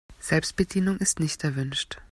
Selbstbedienung ist nicht erwünscht.